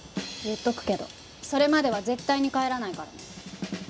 言っとくけどそれまでは絶対に帰らないからね。